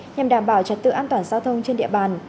nhằm đảm bảo trật tự an toàn giao thông trên địa bàn